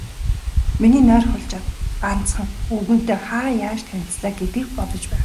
Миний нойр хулжаад, ганцхан, өвгөнтэй хаа яаж танилцлаа гэдгийг бодож байв.